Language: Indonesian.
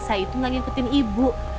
saya itu gak hmmm ikutin ibu